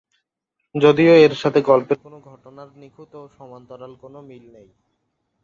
যদিও এর সাথে গল্পের কোন ঘটনার নিখুঁত ও সমান্তরাল কোন মিল নেই।